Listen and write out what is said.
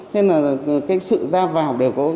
thế nên là cái sự ra vào đều có